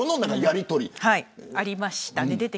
ありましたね。